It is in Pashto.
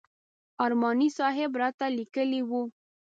ارماني صاحب راته لیکلي و.